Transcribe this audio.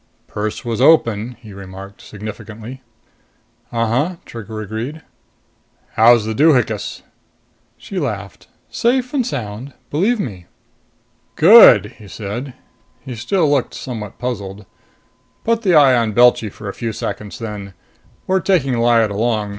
"Purse was open," he remarked significantly. "Uh huh," Trigger agreed. "How's the doohinkus?" She laughed. "Safe and sound! Believe me." "Good," he said. He still looked somewhat puzzled. "Put the eye on Belchy for a few seconds then. We're taking Lyad along.